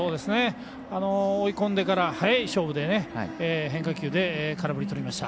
追い込んでから早い勝負で変化球で空振りとりました。